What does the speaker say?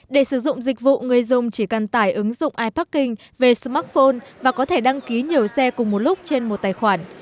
để sử dụng dịch vụ người dùng chỉ cần tải ứng dụng iparking về smartphone và có thể đăng ký nhiều xe cùng một lúc trên một tài khoản